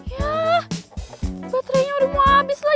yah baterainya udah mau abis lagi